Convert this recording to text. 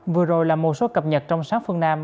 vừa rồi là một số cập nhật trong sáng phương nam